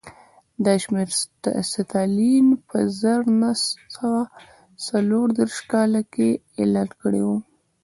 دا شمېر ستالین په زر نه سوه څلور دېرش کال کې اعلان کړی و